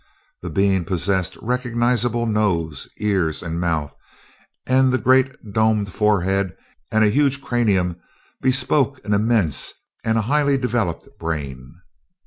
The being possessed recognizable nose, ears, and mouth; and the great domed forehead and huge cranium bespoke an immense and a highly developed brain.